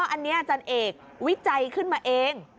อันนี้อาจารย์เอกวิจัยขึ้นมาเอง